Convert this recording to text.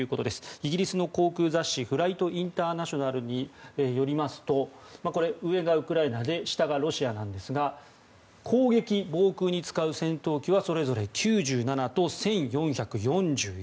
イギリスの航空雑誌「フライト・インターナショナル」によりますと上がウクライナで下がロシアなんですが攻撃・防空に使う戦闘機はそれぞれ９７と１４４１。